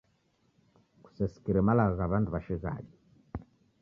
Kusesikire malagho gha w'andu wa shighadi